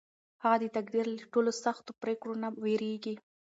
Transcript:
هغه د تقدیر له ټولو سختو پرېکړو نه وېرېږي.